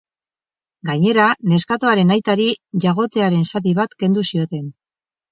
Gainera, neskatoaren aitari jagotearen zati bat kendu zioten.